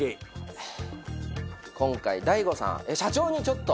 今回大悟さん社長にちょっと。